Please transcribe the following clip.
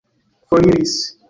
foriris